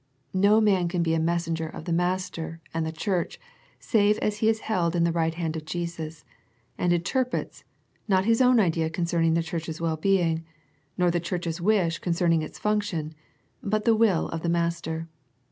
No man can be a messenger of the Master and the Church save as he is held in the right hand of Jesus, and interprets, not J his own idea concerning the Church's well being, nor the Church's wish concerning its function, but the will of the Master.